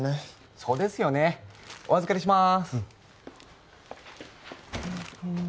そうですよねお預かりします